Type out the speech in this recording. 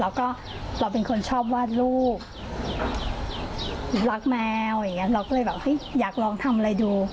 แล้วก็เราเป็นคนชอบวาดลูกรักแมวอย่างเงี้เราก็เลยแบบเฮ้ยอยากลองทำอะไรดู